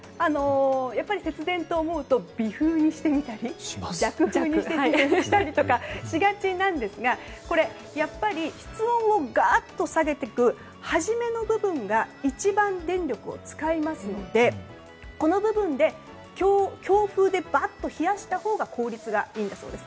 やっぱり節電と思うと微風にしてみたり弱風にしてみたりしがちなんですがこれ、やっぱり室温をがっと下げていく初めの部分が一番電力を使いますのでこの部分で強風でバッと冷やしたほうが効率がいいんだそうです。